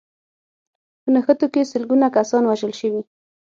په نښتو کې سلګونه کسان وژل شوي